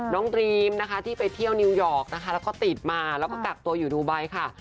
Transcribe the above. น้องดรีมที่ไปเที่ยวนิวยอร์กแล้วก็ติดมาแล้วก็กักตัวอยู่ดูไบท์ค่ะ